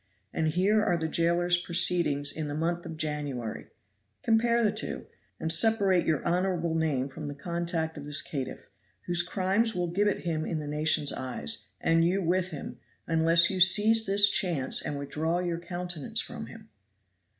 and here are the jailer's proceedings in the month of January compare the two, and separate your honorable name from the contact of this caitiff, whose crimes will gibbet him in the nation's eyes, and you with him, unless you seize this chance and withdraw your countenance from him."